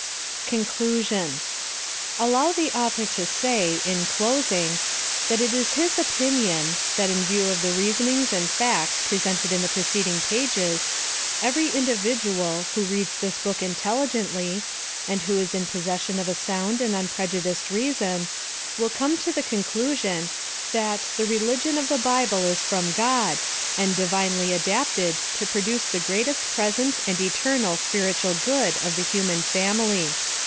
286 PLAN OP SALVATION. CONCLUSION. Allow the author to say, in closing, that it is his opinion, that in view of the reasonings and facts presented in the preceding pages, every individual, who reads the book intelligently, and who is in pos session of a sound and unprejudiced reason, will come to the conclusion, that the religion of the Bible is from God; and divinely adapted to pro duce the greatest present and eternal spiritual good of the human family.